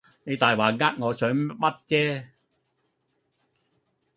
你大話呃我想乜啫